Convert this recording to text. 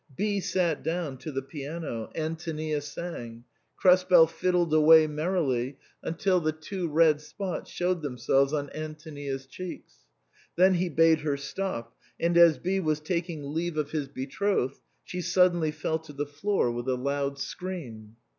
B sat down to the piano ; Antonia sang ; Krespel fiddled away merrily, until the two red spots showed themselves on Antonia's cheeks. Then he bade her stop ; and as B was tak ing leave of his betrothed, she suddenly fell to the floor with a loud scream.